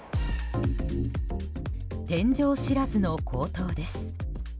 天井知らずの高騰です。